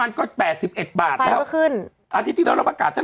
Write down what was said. อาทิตย์เท่านี้เรายังประกาศ๗๐บาท